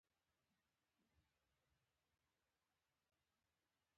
چې پلار يعنې څه؟؟!